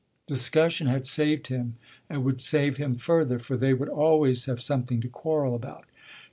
Discussion had saved him and would save him further, for they would always have something to quarrel about.